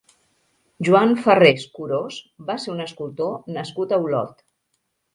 Joan Ferrés Curós va ser un escultor nascut a Olot.